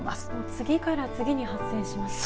次から次に発生しますね。